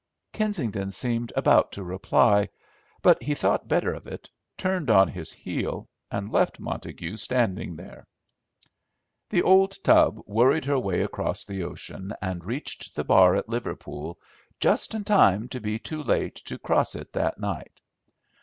Kensington seemed about to reply; but he thought better of it, turned on his heel, and left Montague standing there. The old Tub worried her way across the ocean, and reached the bar at Liverpool just in time to be too late to cross it that night.